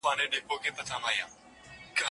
سبا واری د خزان دی نن بهار په اور کي سوځي